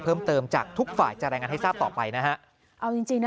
เพิ่มเติมจากทุกฝ่ายจะรายงานให้ทราบต่อไปนะฮะเอาจริงจริงนะ